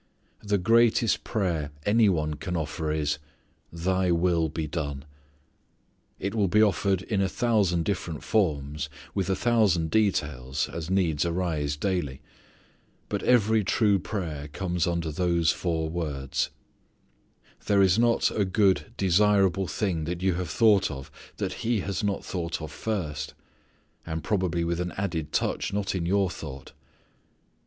The greatest prayer any one can offer is, "Thy will be done." It will be offered in a thousand different forms, with a thousand details, as needs arise daily. But every true prayer comes under those four words. There is not a good desirable thing that you have thought of that He has not thought of first, and probably with an added touch not in your thought.